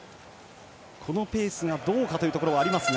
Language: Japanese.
このペースがどうかというところはありますが。